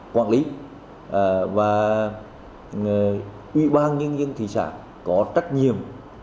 quản lý và ủy ban nhân dân thị xã có trách nhiệm